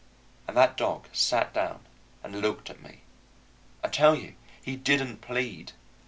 And that dog sat down and looked at me. I tell you he didn't plead.